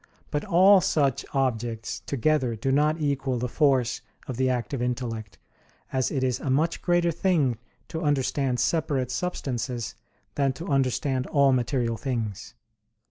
But all such objects together do not equal the force of the active intellect, as it is a much greater thing to understand separate substances than to understand all material things.